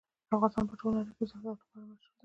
افغانستان په ټوله نړۍ کې د زردالو لپاره مشهور دی.